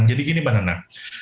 jadi gini b nana